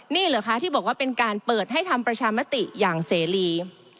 นี่เหรอคะที่บอกว่าเป็นการเปิดให้ทำประชามติอย่างเสรี